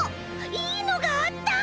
いいのがあった！